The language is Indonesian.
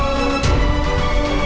politeks yang tidak agil seharusnya